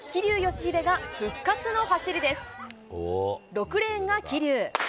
６レーンが桐生。